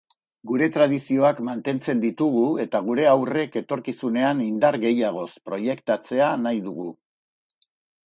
Gure tradizioak mantentzen ditugu eta gure haurrek etorkizunean indar gehiagoz proiektatzea nahi dugu.